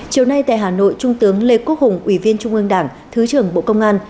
chiều nay tại hà nội trung tướng lê quốc hùng ủy viên trung ương đảng thứ trưởng bộ công an